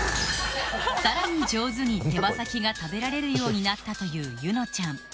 さらに上手に手羽先が食べられるようになったという柚乃ちゃん